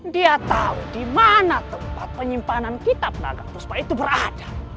dia tahu di mana tempat penyimpanan kitab dagang puspa itu berada